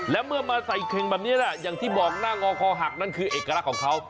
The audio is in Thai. และเมื่อมาใส่เข่งแบบนี้แหละอย่างที่บอกหน้างอคอหักนั่นคือเอกลักษณ์ของเขา